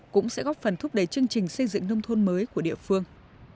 cũng sẽ góp phần thúc đẩy chương trình xây dựng nông thôn mới của địa phương